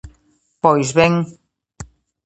Pois ben!